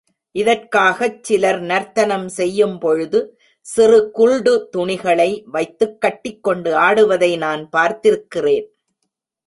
இதற்காகச் சிலர் நர்த்தனம் செய்யும்பொழுது சிறு குல்டு துணிகளை வைத்துக் கட்டிக்கொண்டு ஆடுவதை நான் பார்த்திருக்கிறேன்!